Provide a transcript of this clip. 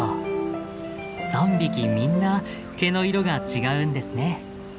３匹みんな毛の色が違うんですね。